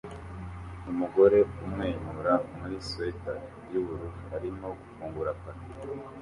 Umugore umwenyura muri swater yubururu arimo gufungura paki